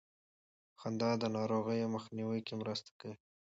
خندا د ناروغیو مخنیوي کې مرسته کوي.